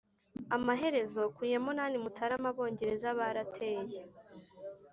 amaherezo, ku ya munani mutarama, abongereza barateye.